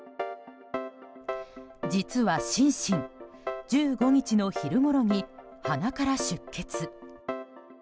実はシンシン、１５日の昼ごろに鼻から出血。